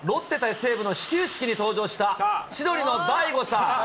西武の始球式に登場した千鳥の大悟さん。